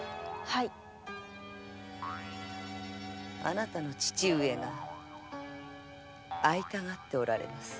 あなたの父上が会いたがっておられます。